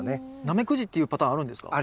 ナメクジっていうパターンあるんですか？